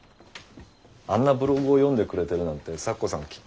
あんなブログを読んでくれてるなんて咲子さん